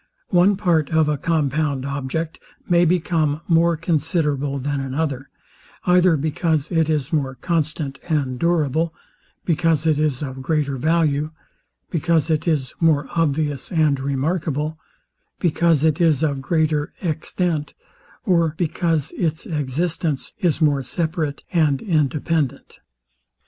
One part of a compound object may become more considerable than another, either because it is more constant and durable; because it is of greater value; because it is more obvious and remarkable; because it is of greater extent; or because its existence is more separate and independent.